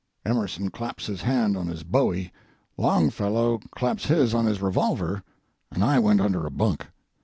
Emerson claps his hand on his bowie, Longfellow claps his on his revolver, and I went under a bunk.